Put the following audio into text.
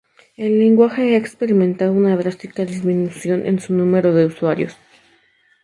El lenguaje ha experimentado una drástica disminución en su número de usuarios.